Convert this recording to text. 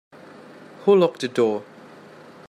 Who locked the door?